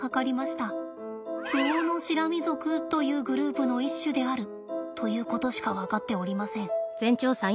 ウオノシラミ属というグループの一種であるということしか分かっておりません。